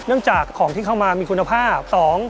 เนื่องจากของที่เข้ามามีคุณภาพสอง